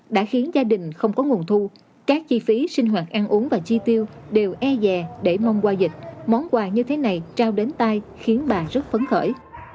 đã khiến gia đình không có nguồn thu các chi phí sinh hoạt ăn uống và chi tiêu đều e dè để mong qua dịch món quà như thế này trao đến tay khiến bà rất phấn khởi